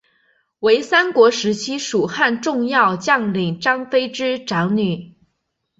为三国时期蜀汉重要将领张飞之长女。